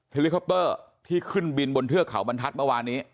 ลิคอปเตอร์ที่ขึ้นบินบนเทือกเขาบรรทัศน์เมื่อวานนี้